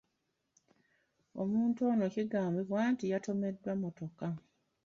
Omuntu ono kigambibwa nti yatomeddwa mmotoka.